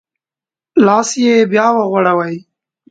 لاس یې بیا وغوړوی.